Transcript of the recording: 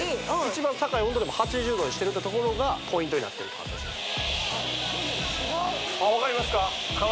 一番高い温度でも８０℃にしてるってところがポイントになってるとああ分かりますか？